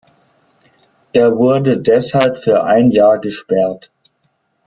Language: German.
Er wurde deshalb für ein Jahr gesperrt.